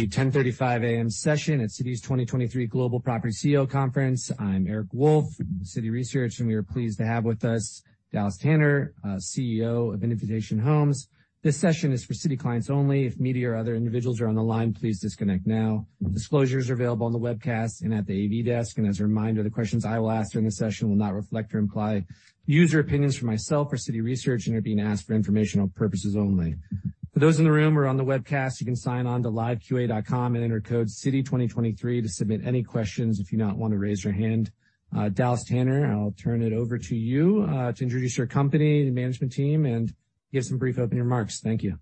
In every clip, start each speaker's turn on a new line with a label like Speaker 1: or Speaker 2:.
Speaker 1: The 10:35 A.M. session at Citi's 2023 Global Property CEO Conference. I'm Eric Wolfe from Citi Research. We are pleased to have with us Dallas Tanner, CEO of Invitation Homes. This session is for Citi clients only. If media or other individuals are on the line, please disconnect now. Disclosures are available on the webcast and at the AV desk. As a reminder, the questions I will ask during the session will not reflect or imply user opinions for myself or Citi Research, and are being asked for informational purposes only. For those in the room or on the webcast, you can sign on to liveqa.com and enter code Citi2023 to submit any questions, if you do not want to raise your hand. Dallas Tanner, I'll turn it over to you to introduce your company, the management team, and give some brief opening remarks. Thank you.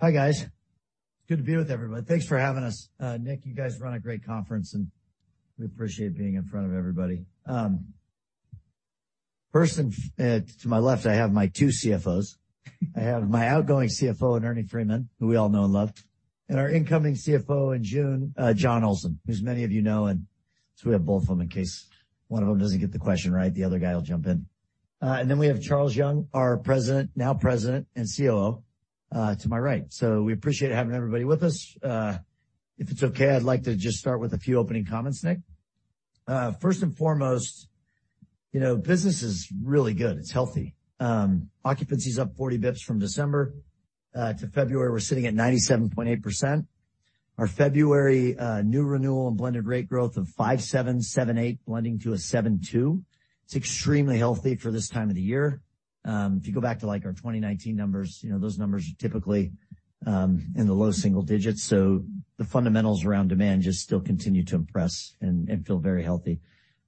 Speaker 2: Hi, guys. It's good to be with everyone. Thanks for having us. Nick, you guys run a great conference, and we appreciate being in front of everybody. First, to my left, I have my two CFOs. I have my outgoing CFO in Ernie Freedman, who we all know and love, and our incoming CFO in John Olsen, who as many of you know, and so we have both of them in case one of them doesn't get the question right, the other guy will jump in. Then we have Charles Young, our President, now President and COO, to my right. We appreciate having everybody with us. If it's okay, I'd like to just start with a few opening comments, Nick. First and foremost, you know, business is really good. It's healthy. Occupancy is up 40 bps from December to February. We're sitting at 97.8%. Our February new renewal and blended rate growth of 5.7%, 7.8%, blending to a 7.2%. It's extremely healthy for this time of the year. If you go back to, like, our 2019 numbers, you know, those numbers are typically in the low single digits. The fundamentals around demand just still continue to impress and feel very healthy.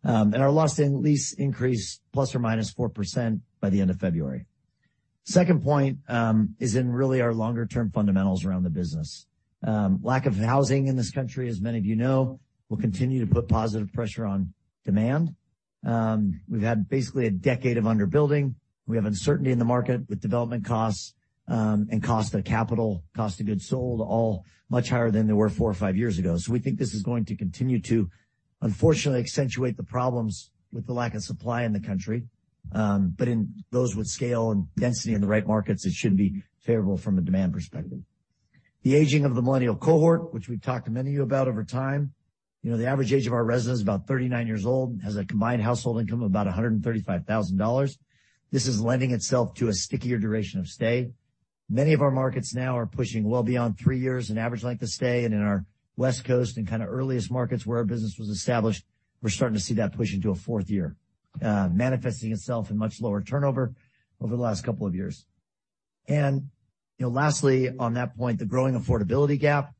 Speaker 2: Our loss to lease increase ±4% by the end of February. Second point is in really our longer term fundamentals around the business. Lack of housing in this country, as many of you know, will continue to put positive pressure on demand. We've had basically a decade of underbuilding. We have uncertainty in the market with development costs, and cost of capital, cost of goods sold, all much higher than they were four or five years ago. We think this is going to continue to, unfortunately, accentuate the problems with the lack of supply in the country. In those with scale and density in the right markets, it should be favorable from a demand perspective. The aging of the millennial cohort, which we've talked to many of you about over time. You know, the average age of our residents is about 39 years old, and has a combined household income of about $135,000. This is lending itself to a stickier duration of stay. Many of our markets now are pushing well beyond three years in average length of stay. In our West Coast and kind of earliest markets where our business was established, we're starting to see that push into a fourth year, manifesting itself in much lower turnover over the last couple of years. You know, lastly, on that point, the growing affordability gap.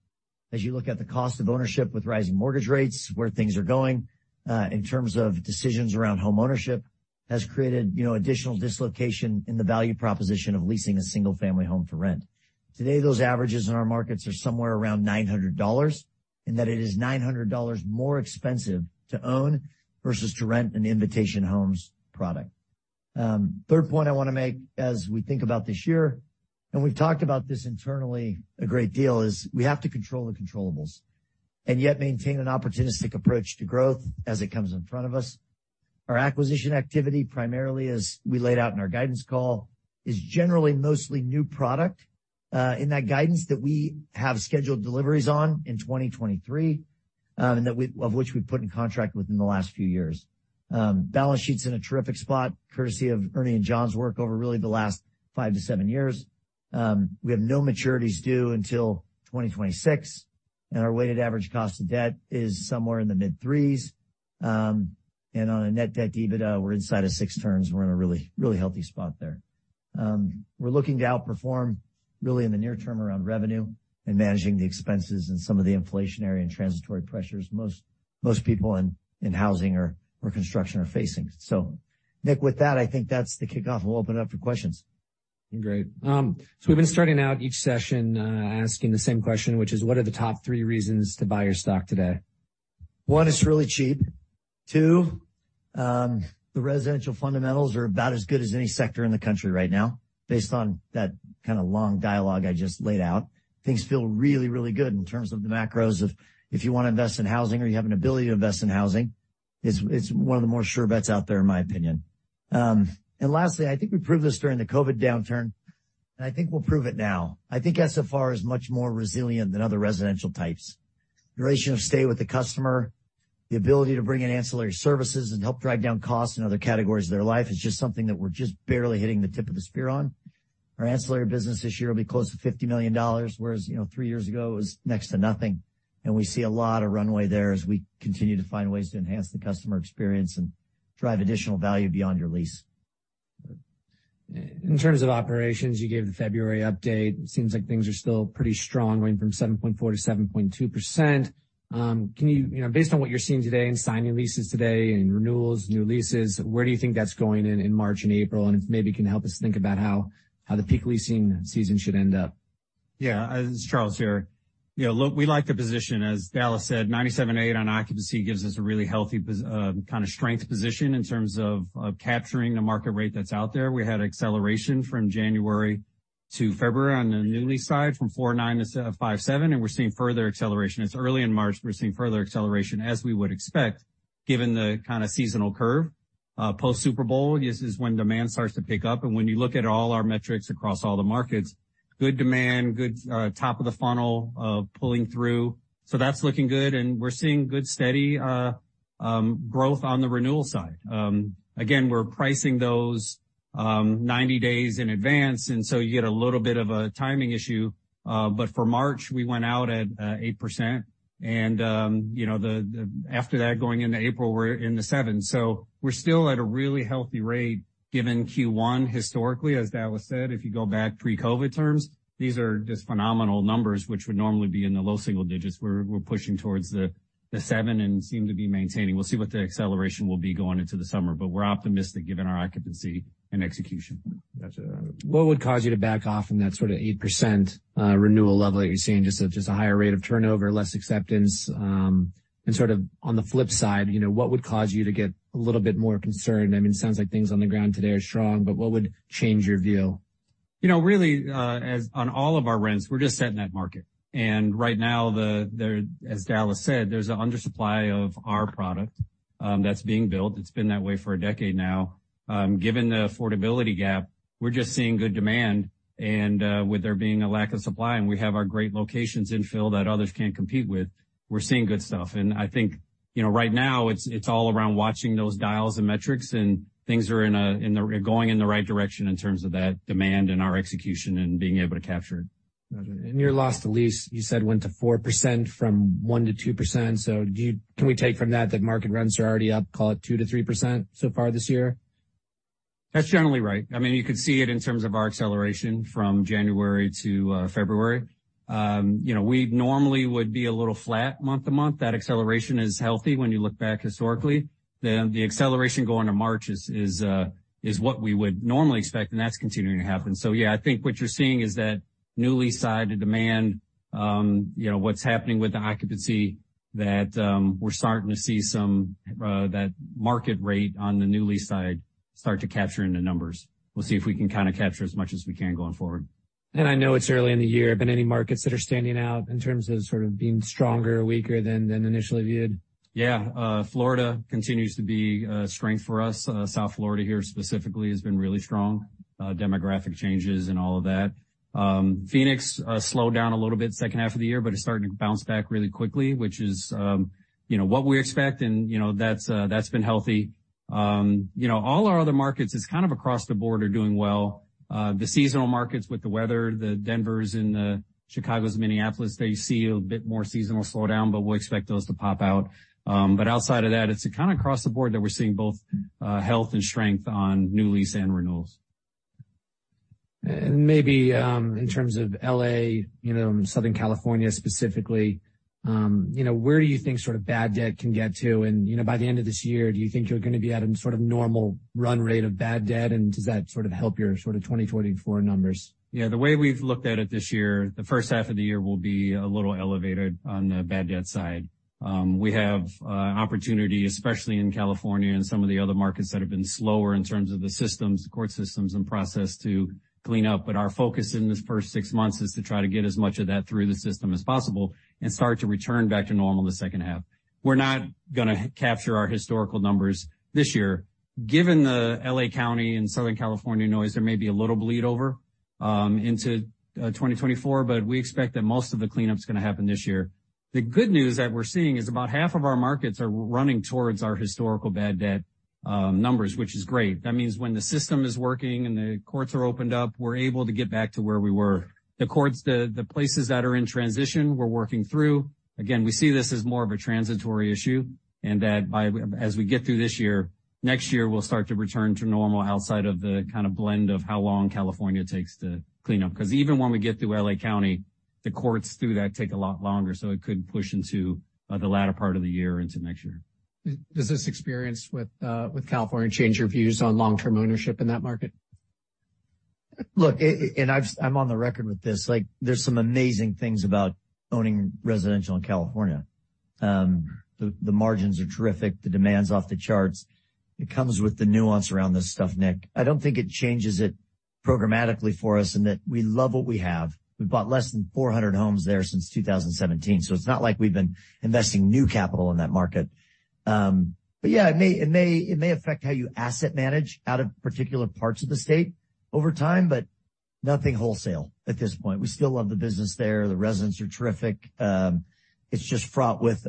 Speaker 2: As you look at the cost of ownership with rising mortgage rates, where things are going, in terms of decisions around homeownership, has created, you know, additional dislocation in the value proposition of leasing a single-family home for rent. Today, those averages in our markets are somewhere around $900, in that it is $900 more expensive to own versus to rent an Invitation Homes product. Third point I wanna make as we think about this year, and we've talked about this internally a great deal, is we have to control the controllables, and yet maintain an opportunistic approach to growth as it comes in front of us. Our acquisition activity, primarily as we laid out in our guidance call, is generally mostly new product in that guidance that we have scheduled deliveries on in 2023, of which we've put in contract within the last few years. Balance sheet's in a terrific spot, courtesy of Ernie and John's work over really the last five to seven years. We have no maturities due until 2026. Our weighted average cost of debt is somewhere in the mid threes. On a Net Debt EBITDA, we're inside of six turns. We're in a really, really healthy spot there. We're looking to outperform really in the near term around revenue and managing the expenses and some of the inflationary and transitory pressures most people in housing or construction are facing. Nick, with that, I think that's the kickoff. We'll open it up for questions.
Speaker 1: Great. We've been starting out each session, asking the same question, which is, what are the top three reasons to buy your stock today?
Speaker 2: One, it's really cheap. two, the residential fundamentals are about as good as any sector in the country right now, based on that kinda long dialogue I just laid out. Things feel really, really good in terms of the macros of if you wanna invest in housing or you have an ability to invest in housing, it's one of the more sure bets out there, in my opinion. Lastly, I think we proved this during the COVID downturn, and I think we'll prove it now. I think SFR is much more resilient than other residential types. Duration of stay with the customer, the ability to bring in ancillary services and help drive down costs in other categories of their life is just something that we're just barely hitting the tip of the spear on. Our ancillary business this year will be close to $50 million, whereas, you know, three years ago, it was next to nothing. We see a lot of runway there as we continue to find ways to enhance the customer experience and drive additional value beyond your lease.
Speaker 1: In terms of operations, you gave the February update. It seems like things are still pretty strong, went from 7.4%-7.2%. Can you know, based on what you're seeing today and signing leases today and renewals, new leases, where do you think that's going in March and April? If maybe you can help us think about how the peak leasing season should end up.
Speaker 3: Yeah. This is Charles here. You know, look, we like the position. As Dallas said, 97.8% on occupancy gives us a really healthy kind of strength position in terms of capturing the market rate that's out there. We had acceleration from January to February on the newly side from 4.9%-5.7%. We're seeing further acceleration. It's early in March, we're seeing further acceleration, as we would expect, given the kind of seasonal curve. Post Super Bowl, this is when demand starts to pick up. When you look at all our metrics across all the markets, good demand, good, top of the funnel, pulling through. That's looking good, and we're seeing good, steady growth on the renewal side. Again, we're pricing those 90 days in advance, you get a little bit of a timing issue. For March, we went out at 8%. You know, after that, going into April, we're in the 7%. We're still at a really healthy rate given Q1 historically. As Dallas said, if you go back pre-COVID terms, these are just phenomenal numbers, which would normally be in the low single digits. We're pushing towards the 7% and seem to be maintaining. We'll see what the acceleration will be going into the summer, but we're optimistic given our occupancy and execution.
Speaker 4: Gotcha.
Speaker 1: What would cause you to back off from that sort of 8% renewal level that you're seeing? Just a higher rate of turnover, less acceptance, and sort of on the flip side, you know, what would cause you to get a little bit more concerned? I mean, it sounds like things on the ground today are strong, but what would change your view?
Speaker 3: You know, really, as on all of our rents, we're just setting that market. Right now, there, as Dallas said, there's an undersupply of our product that's being built. It's been that way for a decade now. Given the affordability gap, we're just seeing good demand, and with there being a lack of supply, and we have our great locations infill that others can't compete with, we're seeing good stuff. I think, you know, right now it's all around watching those dials and metrics, and things are going in the right direction in terms of that demand and our execution and being able to capture it.
Speaker 4: Gotcha.
Speaker 1: Your loss to lease, you said, went to 4% from 1%-2%. Can we take from that that market rents are already up, call it 2%-3% so far this year?
Speaker 3: That's generally right. I mean, you could see it in terms of our acceleration from January to February. You know, we normally would be a little flat month to month. That acceleration is healthy when you look back historically. The acceleration going to March is what we would normally expect. That's continuing to happen. Yeah, I think what you're seeing is that newly signed demand, you know, what's happening with the occupancy that we're starting to see some that market rate on the newly signed start to capture in the numbers. We'll see if we can kind of capture as much as we can going forward.
Speaker 1: I know it's early in the year, but any markets that are standing out in terms of sort of being stronger or weaker than initially viewed?
Speaker 3: Yeah. Florida continues to be strength for us. South Florida here specifically has been really strong, demographic changes and all of that. Phoenix slowed down a little bit second half of the year, but it's starting to bounce back really quickly, which is, you know, what we expect, and, you know, that's that's been healthy. You know, all our other markets is kind of across the board are doing well. The seasonal markets with the weather, the Denvers and Chicagos, Minneapolis, they see a bit more seasonal slowdown, but we'll expect those to pop out. Outside of that, it's kind of across the board that we're seeing both health and strength on new lease and renewals.
Speaker 1: In terms of L.A., you know, Southern California specifically, you know, where do you think sort of bad debt can get to? By the end of this year, do you think you're gonna be at a sort of normal run rate of bad debt? Does that sort of help your sort of 2024 numbers?
Speaker 3: Yeah. The way we've looked at it this year, the first half of the year will be a little elevated on the bad debt side. We have opportunity, especially in California and some of the other markets that have been slower in terms of the systems, court systems and process to clean up. Our focus in this first six months is to try to get as much of that through the system as possible and start to return back to normal in the second half. We're not gonna capture our historical numbers this year. Given the L.A. County and Southern California noise, there may be a little bleed over into 2024, but we expect that most of the cleanup's gonna happen this year. The good news that we're seeing is about half of our markets are running towards our historical bad debt numbers, which is great. That means when the system is working and the courts are opened up, we're able to get back to where we were. The places that are in transition, we're working through. Again, we see this as more of a transitory issue as we get through this year, next year, we'll start to return to normal outside of the kind of blend of how long California takes to clean up. Even when we get through L.A. County, the courts through that take a lot longer, so it could push into the latter part of the year into next year.
Speaker 4: Does this experience with California change your views on long-term ownership in that market?
Speaker 2: Look, and I'm on the record with this. Like, there's some amazing things about owning residential in California. The margins are terrific. The demand's off the charts. It comes with the nuance around this stuff, Nick. I don't think it changes it programmatically for us in that we love what we have. We bought less than 400 homes there since 2017, so it's not like we've been investing new capital in that market. Yeah, it may affect how you asset manage out of particular parts of the state over time, but nothing wholesale at this point. We still love the business there. The residents are terrific. It's just fraught with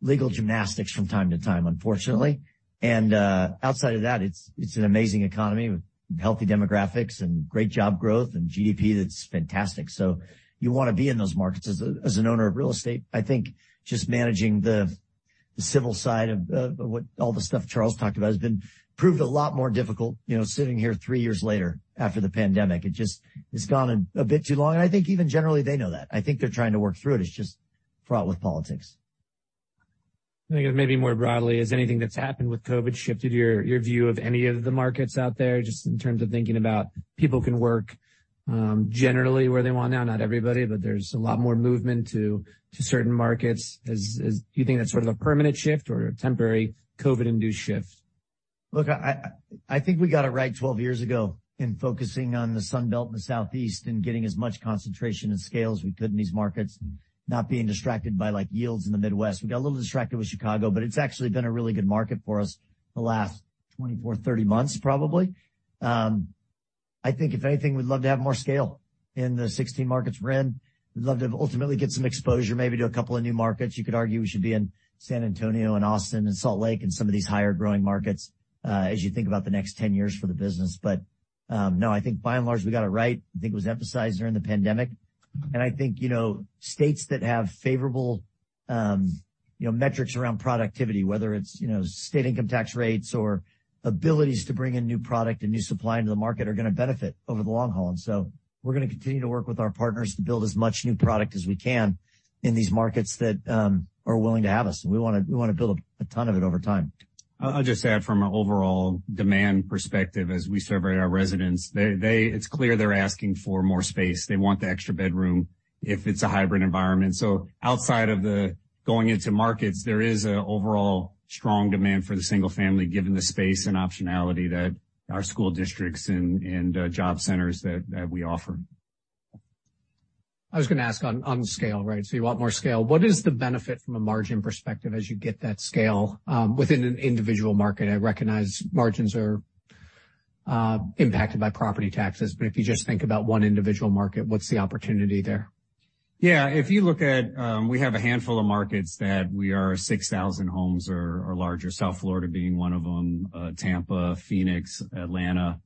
Speaker 2: legal gymnastics from time to time, unfortunately. Outside of that, it's an amazing economy with healthy demographics and great job growth and GDP that's fantastic. You wanna be in those markets as an owner of real estate. I think just managing the civil side of what all the stuff Charles talked about has proved a lot more difficult, you know, sitting here three years later after the pandemic. It's gone on a bit too long. I think even generally they know that. I think they're trying to work through it. It's just fraught with politics.
Speaker 1: I think maybe more broadly, has anything that's happened with COVID shifted your view of any of the markets out there, just in terms of thinking about people can work, generally where they want now? Not everybody, but there's a lot more movement to certain markets. Do you think that's sort of a permanent shift or a temporary COVID-induced shift?
Speaker 2: I think we got it right 12 years ago in focusing on the Sun Belt in the Southeast and getting as much concentration and scale as we could in these markets, not being distracted by like yields in the Midwest. We got a little distracted with Chicago, it's actually been a really good market for us the last 24, 30 months probably. I think if anything, we'd love to have more scale in the 16 markets we're in. We'd love to ultimately get some exposure maybe to a couple of new markets. You could argue we should be in San Antonio and Austin and Salt Lake and some of these higher growing markets, as you think about the next 10 years for the business. No, I think by and large, we got it right. I think it was emphasized during the pandemic. I think, you know, states that have favorable, you know, metrics around productivity, whether it's, you know, state income tax rates or abilities to bring in new product and new supply into the market are going to benefit over the long haul. We're going to continue to work with our partners to build as much new product as we can in these markets that are willing to have us. We wanna build a ton of it over time.
Speaker 3: I'll just add from an overall demand perspective, as we survey our residents, it's clear they're asking for more space. They want the extra bedroom if it's a hybrid environment. Outside of the going into markets, there is an overall strong demand for the single-family, given the space and optionality that our school districts and job centers that we offer.
Speaker 4: I was going to ask on scale, right? You want more scale. What is the benefit from a margin perspective as you get that scale within an individual market? I recognize margins are impacted by property taxes, but if you just think about one individual market, what's the opportunity there?
Speaker 3: Yeah. If you look at, we have a handful of markets that we are 6,000 homes or larger, South Florida being one of them, Tampa, Phoenix, Atlanta,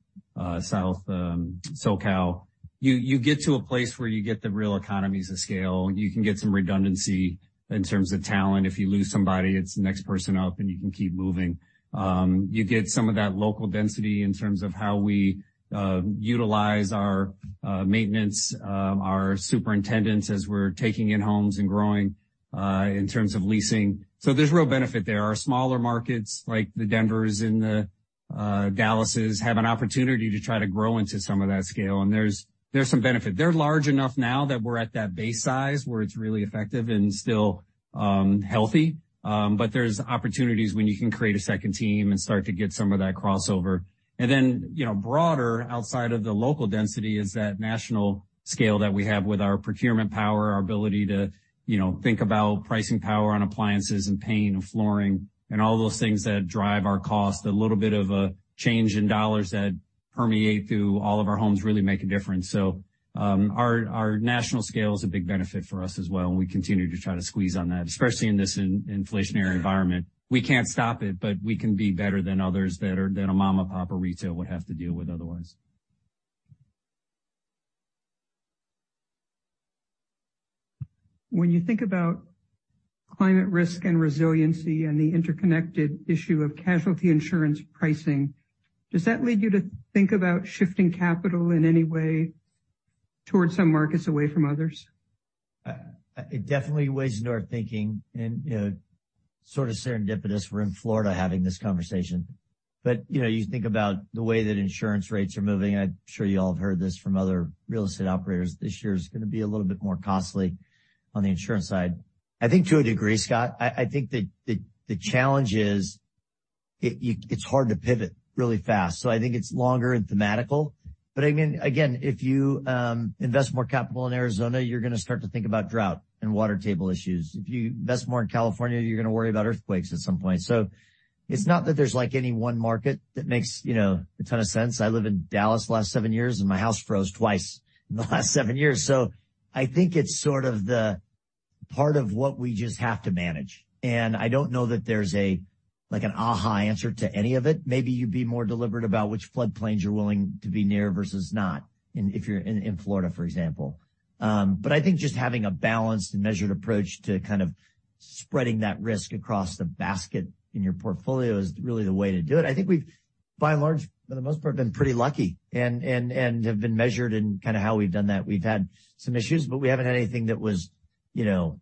Speaker 3: South, SoCal. You get to a place where you get the real economies of scale. You can get some redundancy in terms of talent. If you lose somebody, it's the next person up, and you can keep moving. You get some of that local density in terms of how we utilize our maintenance, our superintendents as we're taking in homes and growing in terms of leasing. There's real benefit there. Our smaller markets, like the Denvers and the Dallases, have an opportunity to try to grow into some of that scale, and there's some benefit. They're large enough now that we're at that base size where it's really effective and still healthy. There's opportunities when you can create a second team and start to get some of that crossover. Then, you know, broader, outside of the local density is that national scale that we have with our procurement power, our ability to, you know, think about pricing power on appliances and paint and flooring and all those things that drive our cost. A little bit of a change in dollars that permeate through all of our homes really make a difference. Our national scale is a big benefit for us as well, and we continue to try to squeeze on that, especially in this inflationary environment. We can't stop it, but we can be better than others than a mom-and-pop or retail would have to deal with otherwise.
Speaker 5: When you think about climate risk and resiliency and the interconnected issue of casualty insurance pricing, does that lead you to think about shifting capital in any way towards some markets away from others?
Speaker 2: It definitely weighs into our thinking, you know, sort of serendipitous we're in Florida having this conversation. You know, you think about the way that insurance rates are moving. I'm sure you all have heard this from other real estate operators. This year is going to be a little bit more costly on the insurance side. I think to a degree, Scott, I think the challenge is it's hard to pivot really fast. I think it's longer and thematical. Again, if you invest more capital in Arizona, you're going to start to think about drought and water table issues. If you invest more in California, you're going to worry about earthquakes at some point. It's not that there's like any one market that makes, you know, a ton of sense. I lived in Dallas the last seven years. My house froze twice in the last seven years. I think it's sort of the part of what we just have to manage. I don't know that there's a, like, an aha answer to any of it. Maybe you'd be more deliberate about which floodplains you're willing to be near versus not in, if you're in Florida, for example. I think just having a balanced and measured approach to kind of spreading that risk across the basket in your portfolio is really the way to do it. I think we've, by and large, for the most part, been pretty lucky and have been measured in kind of how we've done that. We've had some issues, but we haven't had anything that was, you know,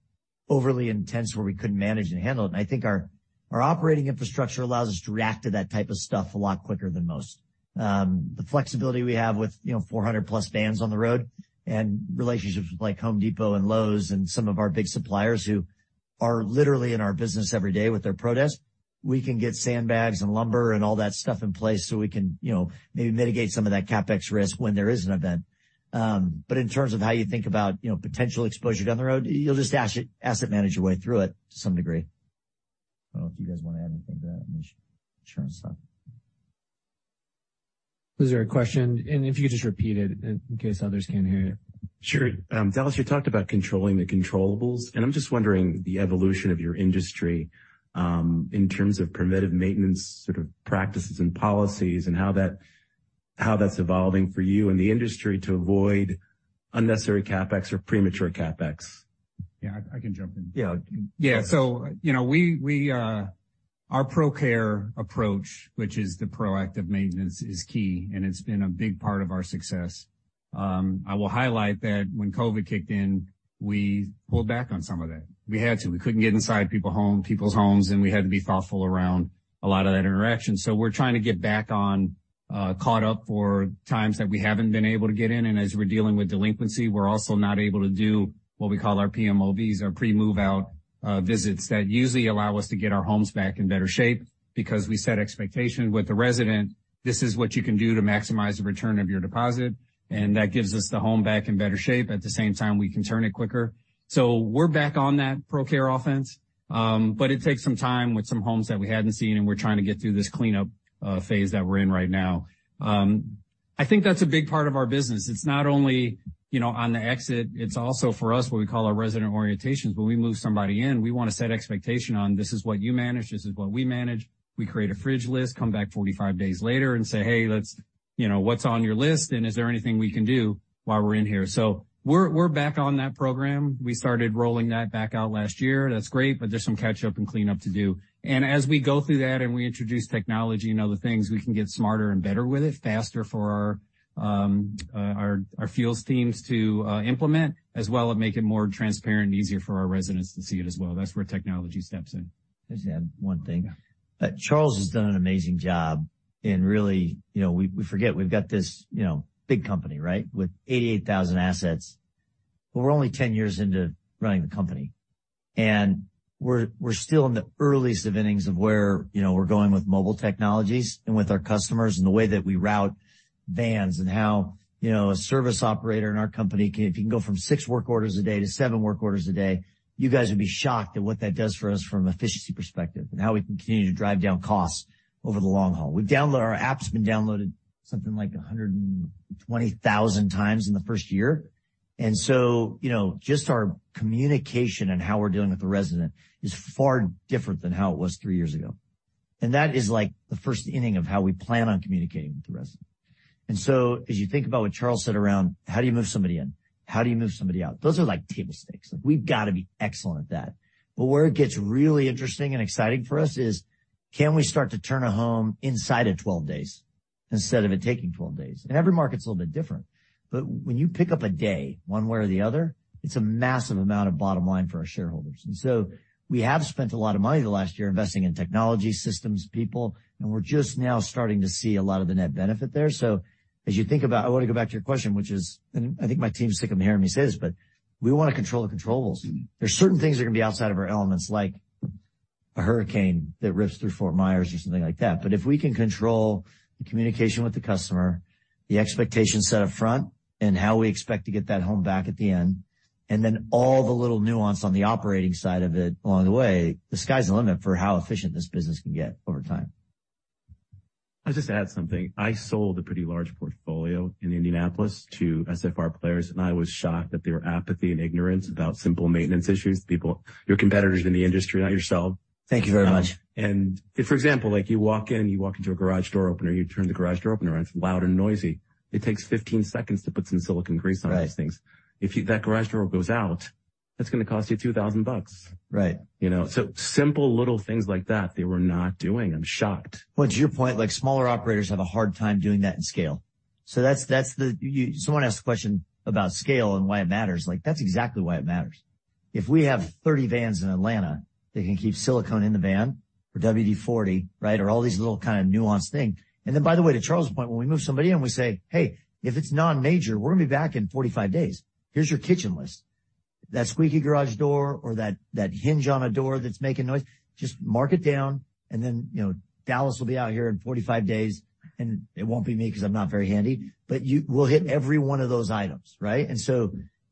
Speaker 2: overly intense where we couldn't manage and handle it. I think our operating infrastructure allows us to react to that type of stuff a lot quicker than most. The flexibility we have with, you know, 400+ vans on the road and relationships with, like, Home Depot and Lowe's and some of our big suppliers who are literally in our business every day with their protests. We can get sandbags and lumber and all that stuff in place, so we can, you know, maybe mitigate some of that CapEx risk when there is an event. In terms of how you think about, you know, potential exposure down the road, you'll just asset manage your way through it to some degree. I don't know if you guys want to add anything to that insurance stuff.
Speaker 4: Was there a question? If you could just repeat it in case others can't hear.
Speaker 5: Sure. Dallas, you talked about controlling the controllables, and I'm just wondering the evolution of your industry, in terms of preventative maintenance sort of practices and policies and how that's evolving for you and the industry to avoid unnecessary CapEx or premature CapEx.
Speaker 3: Yeah, I can jump in.
Speaker 2: Yeah.
Speaker 3: You know, we, our ProCare approach, which is the proactive maintenance, is key, and it's been a big part of our success. I will highlight that when COVID kicked in, we pulled back on some of that. We had to. We couldn't get inside people's homes, and we had to be thoughtful around a lot of that interaction. We're trying to get caught up for times that we haven't been able to get in. As we're dealing with delinquency, we're also not able to do what we call our PMOVs or pre-move-out visits that usually allow us to get our homes back in better shape because we set expectations with the resident. This is what you can do to maximize the return of your deposit, and that gives us the home back in better shape. At the same time, we can turn it quicker. We're back on that ProCare offense, but it takes some time with some homes that we hadn't seen, and we're trying to get through this cleanup phase that we're in right now. I think that's a big part of our business. It's not only, you know, on the exit, it's also for us what we call our resident orientations. When we move somebody in, we wanna set expectation on, this is what you manage, this is what we manage. We create a fridge list, come back 45 days later and say, "Hey, what's on your list, and is there anything we can do while we're in here?" We're, we're back on that program. We started rolling that back out last year. That's great, but there's some catch up and cleanup to do. As we go through that and we introduce technology and other things, we can get smarter and better with it, faster for our fields teams to implement, as well as make it more transparent and easier for our residents to see it as well. That's where technology steps in.
Speaker 2: I'll just add one thing. Charles has done an amazing job in really. You know, we forget we've got this, you know, big company, right, with 88,000 assets, but we're only 10 years into running the company. We're still in the earliest of innings of where, you know, we're going with mobile technologies and with our customers and the way that we route vans and how, you know, a service operator in our company can. If you can go from six work orders a day to seven work orders a day, you guys would be shocked at what that does for us from an efficiency perspective and how we can continue to drive down costs over the long haul. Our app's been downloaded something like 120,000 times in the first year. You know, just our communication and how we're dealing with the resident is far different than how it was three years ago. That is, like, the first inning of how we plan on communicating with the resident. As you think about what Charles said around how do you move somebody in, how do you move somebody out, those are like table stakes. Like, we've gotta be excellent at that. Where it gets really interesting and exciting for us is, can we start to turn a home inside of 12 days instead of it taking 12 days? Every market's a little bit different, but when you pick up a day one way or the other, it's a massive amount of bottom line for our shareholders. We have spent a lot of money the last year investing in technology systems, people, and we're just now starting to see a lot of the net benefit there. As you think about... I wanna go back to your question, which is, and I think my team's sick of hearing me say this, but we wanna control the controllables. There's certain things that are gonna be outside of our elements, like a hurricane that rips through Fort Myers or something like that. If we can control the communication with the customer, the expectations set up front, and how we expect to get that home back at the end, and then all the little nuance on the operating side of it along the way, the sky's the limit for how efficient this business can get over time.
Speaker 5: I'll just add something. I sold a pretty large portfolio in Indianapolis to SFR players, and I was shocked at their apathy and ignorance about simple maintenance issues. Your competitors in the industry, not yourself.
Speaker 2: Thank you very much.
Speaker 5: If, for example, like, you walk in, you walk into a garage door opener, you turn the garage door opener on, it's loud and noisy. It takes 15 seconds to put some silicone grease on those things.
Speaker 2: Right.
Speaker 5: that garage door goes out, that's gonna cost you $2,000.
Speaker 2: Right.
Speaker 5: You know? Simple little things like that they were not doing. I'm shocked.
Speaker 2: To your point, like, smaller operators have a hard time doing that in scale. That's, that's the Someone asked a question about scale and why it matters. Like, that's exactly why it matters. If we have 30 vans in Atlanta that can keep silicone in the van or WD-40, right, or all these little kind of nuanced things. Then, by the way, to Charles's point, when we move somebody in, we say, "Hey, if it's non-major, we're gonna be back in 45 days. Here's your kitchen list. That squeaky garage door or that hinge on a door that's making noise, just mark it down, and then, you know, Dallas will be out here in 45 days." It won't be me 'cause I'm not very handy. You-- we'll hit every one of those items, right?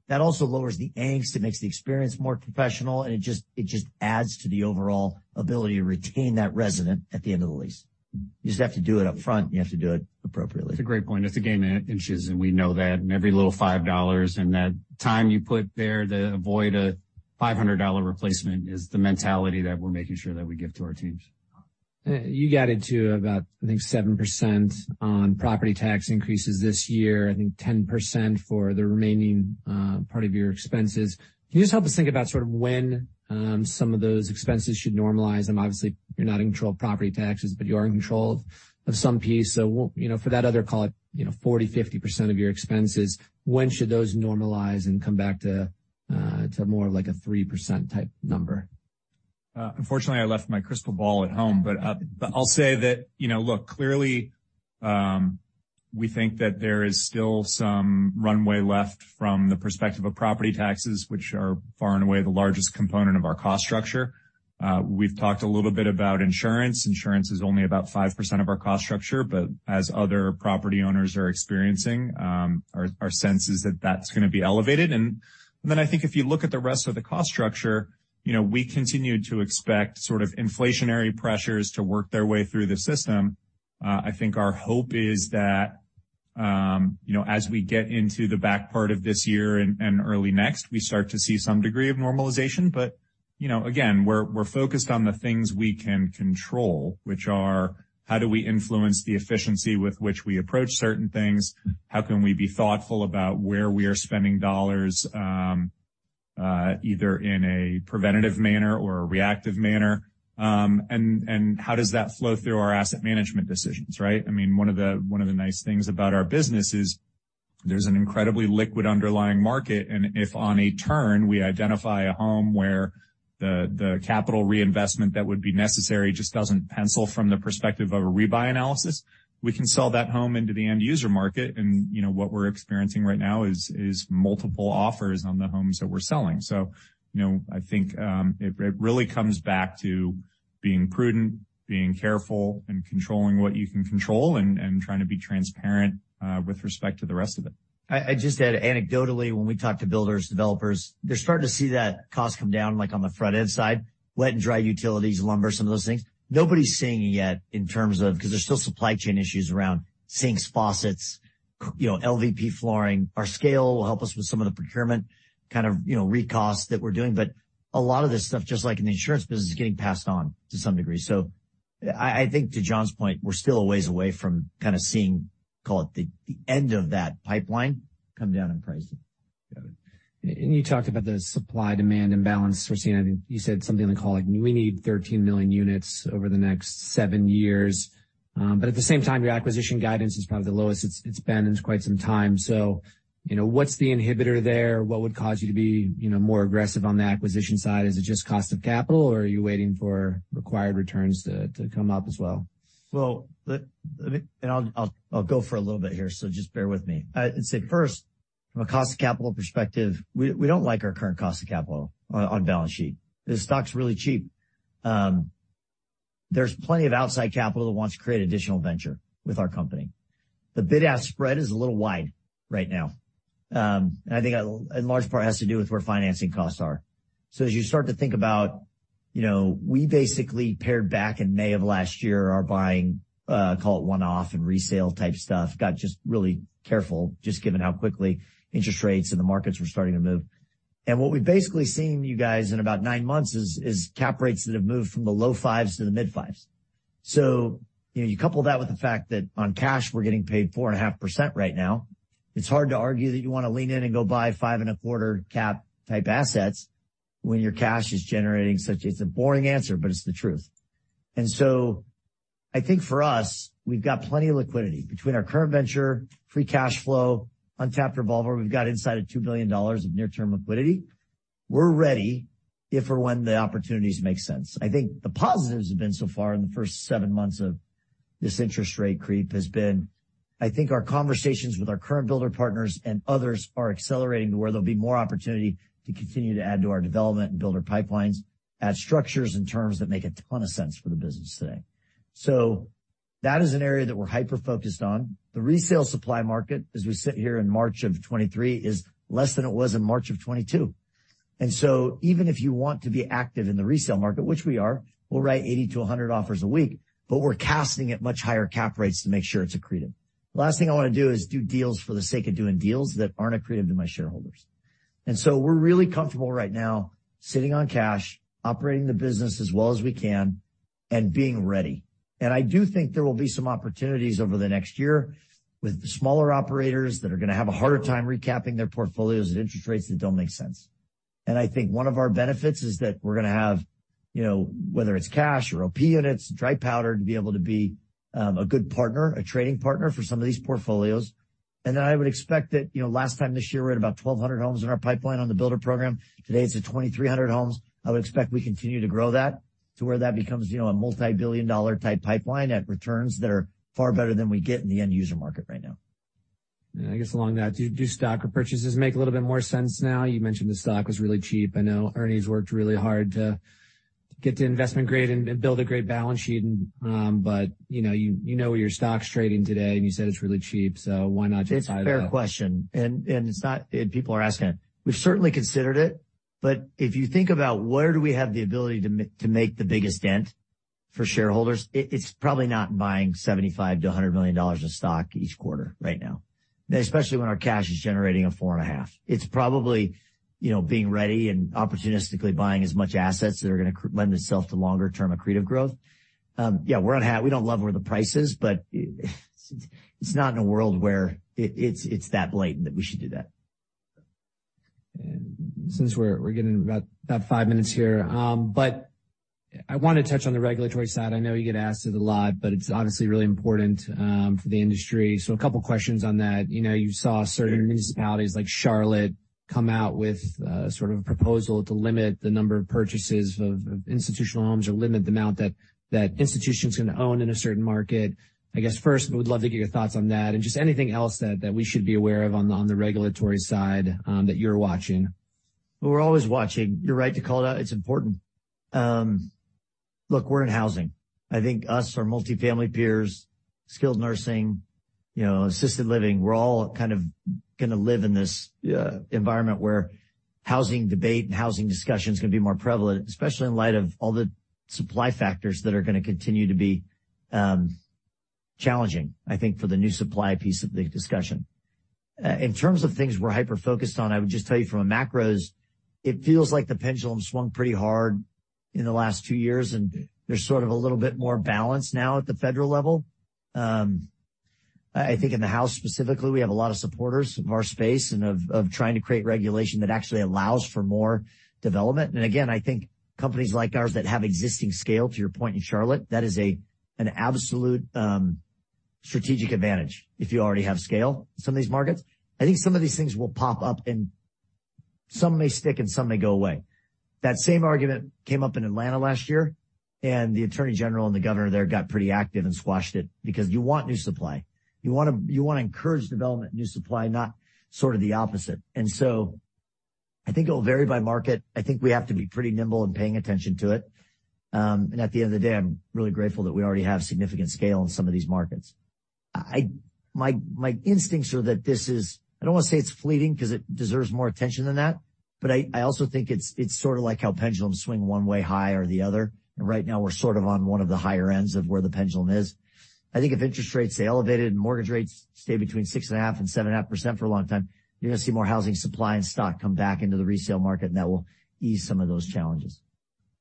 Speaker 2: That also lowers the angst. It makes the experience more professional, and it just adds to the overall ability to retain that resident at the end of the lease. You just have to do it up front, and you have to do it appropriately.
Speaker 3: That's a great point. It's a game of inches. We know that. Every little $5 and that time you put there to avoid a $500 replacement is the mentality that we're making sure that we give to our teams.
Speaker 1: You got into about, I think, 7% on property tax increases this year and 10% for the remaining part of your expenses. Can you just help us think about sort of when some of those expenses should normalize? I mean, obviously you're not in control of property taxes, but you are in control of some piece. You know, for that other, call it, you know, 40%, 50% of your expenses, when should those normalize and come back to more of, like, a 3% type number?
Speaker 6: Unfortunately, I left my crystal ball at home, but I'll say that, you know, look, clearly, we think that there is still some runway left from the perspective of property taxes, which are far and away the largest component of our cost structure. We've talked a little bit about insurance. Insurance is only about 5% of our cost structure, but as other property owners are experiencing, our sense is that that's gonna be elevated. I think if you look at the rest of the cost structure, you know, we continue to expect sort of inflationary pressures to work their way through the system. I think our hope is that, you know, as we get into the back part of this year and early next, we start to see some degree of normalization. You know, again, we're focused on the things we can control, which are how do we influence the efficiency with which we approach certain things? How can we be thoughtful about where we are spending dollars, either in a preventative manner or a reactive manner? And how does that flow through our asset management decisions, right? I mean, one of the nice things about our business. There's an incredibly liquid underlying market, and if on a turn, we identify a home where the capital reinvestment that would be necessary just doesn't pencil from the perspective of a rebuy analysis, we can sell that home into the end user market. You know, what we're experiencing right now is multiple offers on the homes that we're selling. you know, I think, it really comes back to being prudent, being careful, and controlling what you can control, and trying to be transparent, with respect to the rest of it.
Speaker 2: I just add anecdotally, when we talk to builders, developers, they're starting to see that costs come down, like, on the front-end side, wet and dry utilities, lumber, some of those things. Nobody's seeing it yet in terms of 'cause there's still supply chain issues around sinks, faucets, you know, LVP flooring. Our scale will help us with some of the procurement kind of, you know, recost that we're doing. A lot of this stuff, just like in the insurance business, is getting passed on to some degree. I think to John's point, we're still a ways away from kinda seeing, call it, the end of that pipeline come down in pricing.
Speaker 6: Got it.
Speaker 1: You talked about the supply-demand imbalance we're seeing. I think you said something like, call it, we need 13 million units over the next seven years. At the same time, your acquisition guidance is probably the lowest it's been in quite some time. You know, what's the inhibitor there? What would cause you to be, you know, more aggressive on the acquisition side? Is it just cost of capital, or are you waiting for required returns to come up as well?
Speaker 2: Well, and I'll go for a little bit here, so just bear with me. I'd say, first, from a cost of capital perspective, we don't like our current cost of capital on balance sheet. The stock's really cheap. There's plenty of outside capital that wants to create additional venture with our company. The bid-ask spread is a little wide right now. And I think a large part has to do with where financing costs are. As you start to think about, you know, we basically paired back in May of last year, our buying, call it one-off and resale type stuff, got just really careful, just given how quickly interest rates and the markets were starting to move. What we've basically seen, you guys, in about nine months is cap rates that have moved from the low fives to the mid fives. You know, you couple that with the fact that on cash, we're getting paid 4.5% right now, it's hard to argue that you wanna lean in and go buy 5.25 cap type assets when your cash is generating such... It's a boring answer, but it's the truth. I think for us, we've got plenty of liquidity. Between our current venture, free cash flow, untapped revolver, we've got inside of $2 billion of near-term liquidity. We're ready if or when the opportunities make sense. I think the positives have been so far in the first seven months of this interest rate creep has been, I think our conversations with our current builder partners and others are accelerating to where there'll be more opportunity to continue to add to our development and builder pipelines, add structures and terms that make a ton of sense for the business today. That is an area that we're hyper-focused on. The resale supply market, as we sit here in March of 2023, is less than it was in March of 2022. Even if you want to be active in the resale market, which we are, we'll write 80 to 100 offers a week, but we're casting at much higher cap rates to make sure it's accretive. The last thing I wanna do is do deals for the sake of doing deals that aren't accretive to my shareholders. We're really comfortable right now sitting on cash, operating the business as well as we can, and being ready. I do think there will be some opportunities over the next year with the smaller operators that are gonna have a harder time recapping their portfolios at interest rates that don't make sense. I think one of our benefits is that we're gonna have, you know, whether it's cash or OP units, dry powder, to be able to be a good partner, a trading partner for some of these portfolios. I would expect that, you know, last time this year, we had about 1,200 homes in our pipeline on the builder program. Today, it's at 2,300 homes. I would expect we continue to grow that to where that becomes, you know, a multi-billion dollar type pipeline at returns that are far better than we get in the end user market right now.
Speaker 1: Yeah. I guess along that, do stock repurchases make a little bit more sense now? You mentioned the stock was really cheap. I know Ernie's worked really hard to get to investment grade and build a great balance sheet. You know, you know where your stock's trading today, and you said it's really cheap, so why not just buy it back?
Speaker 2: It's a fair question. People are asking it. We've certainly considered it. If you think about where do we have the ability to make the biggest dent for shareholders, it's probably not in buying $75 million-$100 million of stock each quarter right now, and especially when our cash is generating a 4.5%. It's probably, you know, being ready and opportunistically buying as much assets that are gonna lend themselves to longer term accretive growth. Yeah, we don't love where the price is. It's not in a world where it's that blatant that we should do that.
Speaker 1: Since we're getting to about five minutes here. But I wanna touch on the regulatory side. I know you get asked it a lot, but it's obviously really important for the industry. A couple questions on that. You know, you saw certain municipalities like Charlotte come out with a sort of a proposal to limit the number of purchases of institutional homes or limit the amount that institutions can own in a certain market. I guess, first, we would love to get your thoughts on that and just anything else that we should be aware of on the regulatory side that you're watching.
Speaker 2: Well, we're always watching. You're right to call it out. It's important. Look, we're in housing. I think us, our multifamily peers, skilled nursing, you know, assisted living, we're all kind of gonna live in this environment where housing debate and housing discussions are gonna be more prevalent, especially in light of all the supply factors that are gonna continue to be challenging, I think, for the new supply piece of the discussion. In terms of things we're hyper-focused on, I would just tell you from a macros, it feels like the pendulum swung pretty hard in the last two years, and there's sort of a little bit more balance now at the federal level. I think in the House specifically, we have a lot of supporters of our space and of trying to create regulation that actually allows for more development. I think companies like ours that have existing scale, to your point in Charlotte, that is an absolute strategic advantage if you already have scale in some of these markets. I think some of these things will pop up and some may stick, and some may go away. That same argument came up in Atlanta last year, and the attorney general and the governor there got pretty active and squashed it because you want new supply. You wanna encourage development, new supply, not sort of the opposite. I think it'll vary by market. I think we have to be pretty nimble in paying attention to it. At the end of the day, I'm really grateful that we already have significant scale in some of these markets. My instincts are that this is... I don't want to say it's fleeting because it deserves more attention than that, but I also think it's sort of like how pendulums swing one way high or the other. Right now we're sort of on one of the higher ends of where the pendulum is. I think if interest rates stay elevated and mortgage rates stay between 6.5% and 7.5% for a long time, you're gonna see more housing supply and stock come back into the resale market. That will ease some of those challenges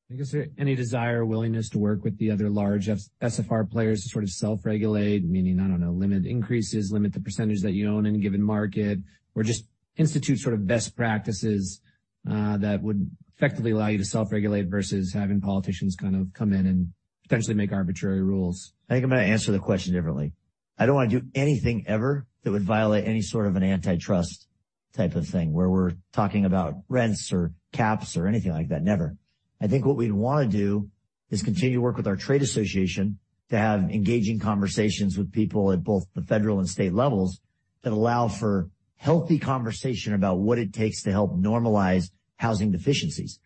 Speaker 1: I guess, is there any desire or willingness to work with the other large SFR players to sort of self-regulate? Meaning, I don't know, limit increases, limit the percentage that you own in a given market, or just institute sort of best practices that would effectively allow you to self-regulate versus having politicians kind of come in and potentially make arbitrary rules.
Speaker 2: I think I'm gonna answer the question differently. I don't wanna do anything ever that would violate any sort of an antitrust type of thing where we're talking about rents or caps or anything like that. Never. I think what we'd wanna do is continue to work with our trade association to have engaging conversations with people at both the federal and state levels that allow for healthy conversation about what it takes to help normalize housing deficiencies.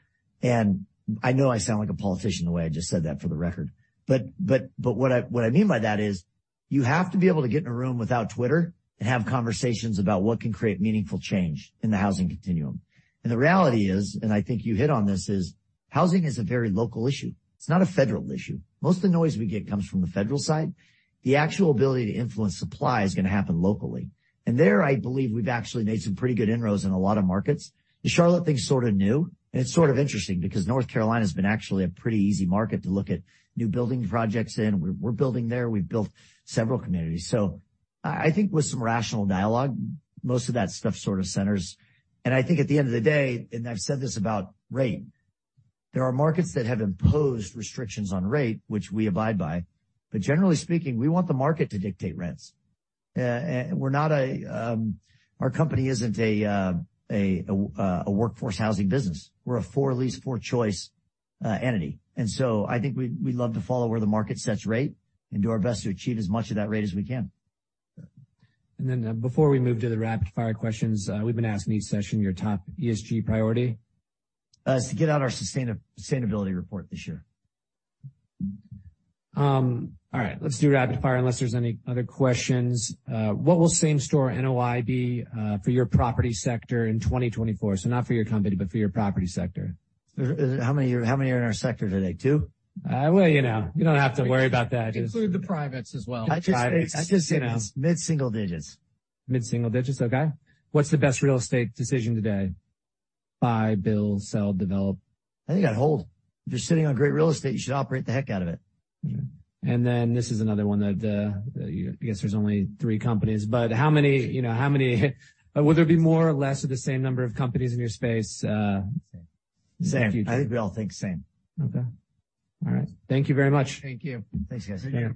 Speaker 2: I know I sound like a politician the way I just said that, for the record, but what I mean by that is you have to be able to get in a room without Twitter and have conversations about what can create meaningful change in the housing continuum. The reality is, and I think you hit on this, is housing is a very local issue. It's not a federal issue. Most of the noise we get comes from the federal side. The actual ability to influence supply is gonna happen locally. There I believe we've actually made some pretty good inroads in a lot of markets. The Charlotte thing's sort of new, and it's sort of interesting because North Carolina's been actually a pretty easy market to look at new building projects in. We're building there. We've built several communities. I think with some rational dialogue, most of that stuff sort of centers. I think at the end of the day, and I've said this about rate, there are markets that have imposed restrictions on rate, which we abide by. Generally speaking, we want the market to dictate rents. And we're not a... Our company isn't a workforce housing business. We're a for-lease, for-choice, entity. I think we'd love to follow where the market sets rate and do our best to achieve as much of that rate as we can.
Speaker 1: Before we move to the rapid-fire questions, we've been asking each session your top ESG priority.
Speaker 2: It's to get out our sustainability report this year.
Speaker 1: All right, let's do rapid fire unless there's any other questions. What will Same-Store NOI be for your property sector in 2024? Not for your company, but for your property sector.
Speaker 2: How many are in our sector today? Two?
Speaker 1: Well, you know, you don't have to worry about that.
Speaker 4: Include the privates as well.
Speaker 2: Privates.
Speaker 1: I just said it's mid-single digits. Mid-single digits. Okay. What's the best real estate decision today? Buy, build, sell, develop.
Speaker 2: I think I'd hold. If you're sitting on great real estate, you should operate the heck out of it.
Speaker 1: This is another one that, I guess there's only three companies. You know, how many Will there be more or less of the same number of companies in your space?
Speaker 2: Same.
Speaker 1: in the future?
Speaker 2: I think we all think same.
Speaker 1: Okay. All right. Thank you very much.
Speaker 4: Thank you.
Speaker 2: Thanks, guys.
Speaker 1: Yeah.